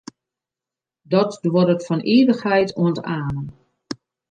Dat duorret fan ivichheid oant amen.